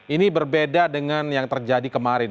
ini berbeda dengan yang terjadi kemarin